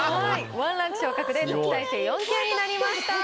１ランク昇格で特待生４級になりました。